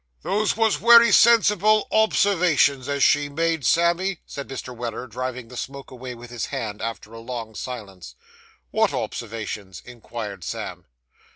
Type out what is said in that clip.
'Those wos wery sensible observations as she made, Sammy,' said Mr. Weller, driving the smoke away with his hand, after a long silence. 'Wot observations?' inquired Sam.